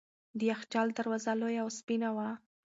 د یخچال دروازه لویه او سپینه وه.